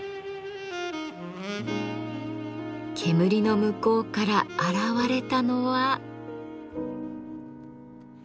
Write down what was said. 煙の向こうから現れたのは。